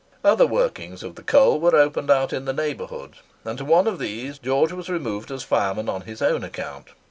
Other workings of the coal were opened out in the neighbourhood; and to one of these George was removed as fireman on his own account.